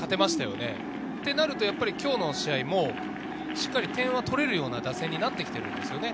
そうなると今日の試合もしっかり点は取れるような打線になって来ているんです。